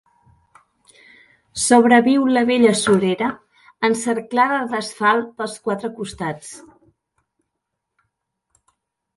Sobreviu la vella surera, encerclada d'asfalt pels quatre costats.